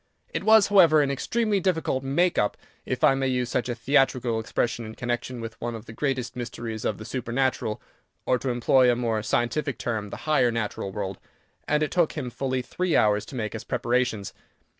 It was, however an extremely difficult "make up," if I may use such a theatrical expression in connection with one of the greatest mysteries of the supernatural, or, to employ a more scientific term, the higher natural world, and it took him fully three hours to make his preparations.